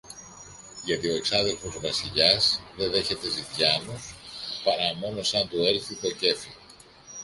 Γιατί ο εξάδελφος Βασιλιάς δε δέχεται ζητιάνους, παρά μόνο σαν του έλθει το κέφι.